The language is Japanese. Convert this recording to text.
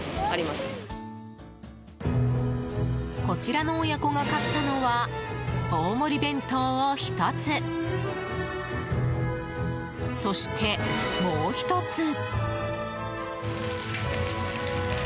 こちらの親子が買ったのは大盛り弁当を１つそして、もう１つ。